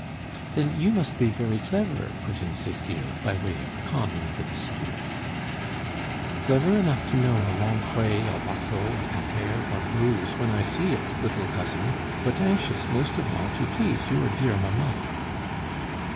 "Then you must be very clever," put in Cecile by way of calming the dispute. "Clever enough to know a Lancret, a Watteau, a Pater, or Greuze when I see it, little cousin; but anxious, most of all, to please your dear mamma."